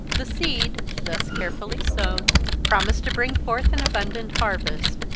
The seed, thus carefully sown, promised to bring forth an abundant harvest.